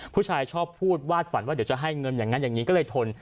ผู้ชายชอบพูดวาดฝันว่าเดี๋ยวจะให้เงินอย่างนั้นอย่างนี้ก็เลยทน